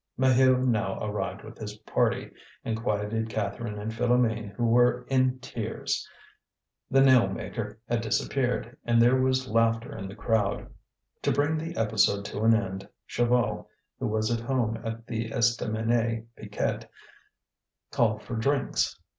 Maheu now arrived with his party, and quieted Catherine and Philoméne who were in tears. The nail maker had disappeared, and there was laughter in the crowd. To bring the episode to an end, Chaval, who was at home at the Estaminet Piquette, called for drinks.